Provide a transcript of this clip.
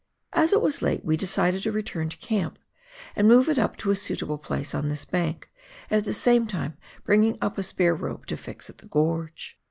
As it was late we decided to return to camp and move it up to a suitable place on this bank, at the same time bringing up a spare rope to fix at the gorge.